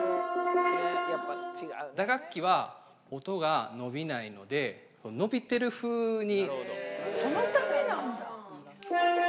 打楽器は音が伸びないので、そのためなんだ。